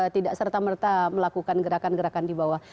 tidak serta merta melakukan gerakan gerakan di bawah